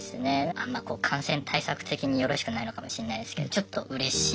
あんまこう感染対策的によろしくないのかもしれないですけどちょっとうれしい。